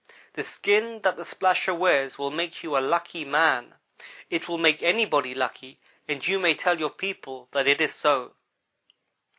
The skin that the splasher wears will make you a lucky man. It will make anybody lucky and you may tell your people that it is so.